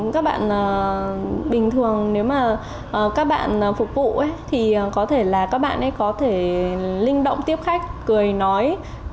các bạn bình thường nếu mà các bạn phục vụ thì có thể là các bạn ấy có thể linh động tiếp khách cười nói